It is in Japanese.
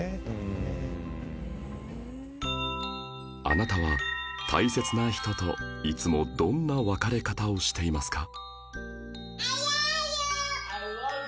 あなたは大切な人といつもどんな別れ方をしていますか？